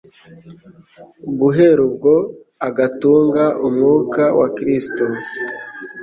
Guhera ubwo agatunga Umwuka wa Kristo.